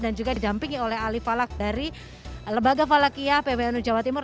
dan juga didampingi oleh ali falak dari lebaga falakiyah pwnu jawa timur